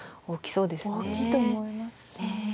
大きいと思います。